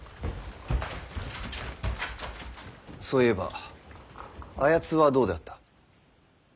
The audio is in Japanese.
そういえばあやつはどうであった？